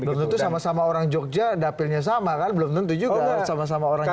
belum tentu sama sama orang jogja dapilnya sama kan belum tentu juga sama sama orang jog